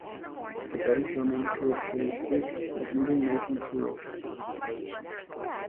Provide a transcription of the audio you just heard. Debates are mainly characteristics of middle "Meccan suras".